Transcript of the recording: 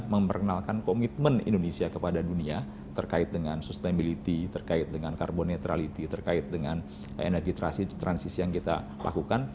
memperkenalkan komitmen indonesia kepada dunia terkait dengan sustainability terkait dengan carbon netrality terkait dengan energi transisi yang kita lakukan